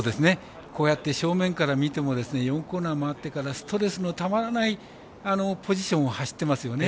こうやって正面から見ても４コーナーを回ってストレスのたまらないポジションを走っていますよね。